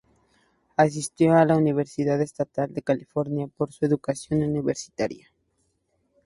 Asistió a la Universidad Estatal de California por su educación universitaria.